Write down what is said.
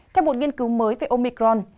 theo một nghiên cứu mới về omicron